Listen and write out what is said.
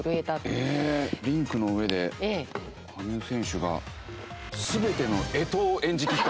リンクの上で羽生選手が全ての干支を演じ切った。